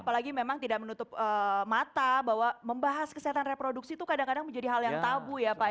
apalagi memang tidak menutup mata bahwa membahas kesehatan reproduksi itu kadang kadang menjadi hal yang tabu ya pak ya